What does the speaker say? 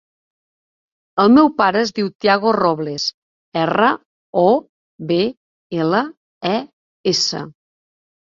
El meu pare es diu Tiago Robles: erra, o, be, ela, e, essa.